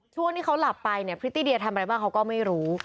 ช่วงที่เขาหลับไปเนี่ยพริตตีเดียทำอะไรบ้างเขาก็ไม่รู้